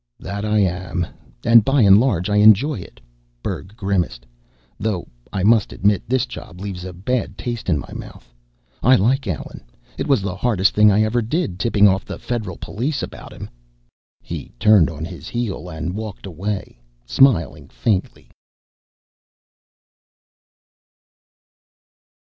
"That I am. And by and large, I enjoy it." Berg grimaced. "Though I must admit this job leaves a bad taste in my mouth. I like Allen. It was the hardest thing I ever did, tipping off the federal police about him." He turned on his heel and walked away, smiling faintly.